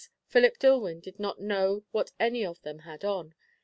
Philip Dillwyn did not know what any of them had on.